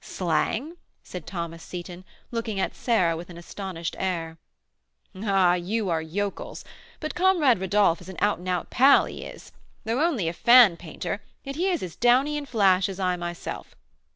"Slang?" said Thomas Seyton, looking at Sarah with an astonished air. "Ah! you are yokels; but comrade Rodolph is an out and out pal, he is. Though only a fan painter, yet he is as 'downy' in 'flash' as I am myself.